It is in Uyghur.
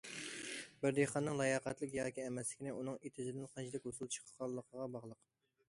بىر دېھقاننىڭ لاياقەتلىك ياكى ئەمەسلىكىنى ئۇنىڭ ئېتىزىدىن قانچىلىك ھوسۇل چىققانلىقىغا باغلىق.